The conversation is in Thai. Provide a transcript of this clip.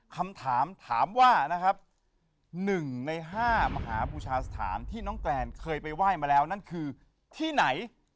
คำถามถามว่านะครับ๑ใน๕มหาบูชาสถานที่น้องแกรนเคยไปไหว้มาแล้วนั่นคือที่ไหน